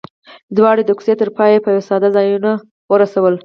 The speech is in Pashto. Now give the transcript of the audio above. دواړو د کوڅې تر پايه په يوه ساه ځانونه ورسول.